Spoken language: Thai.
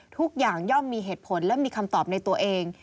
ทุกอย่างย่อมมีเหตุผลและมีคำตอบในตัวเอง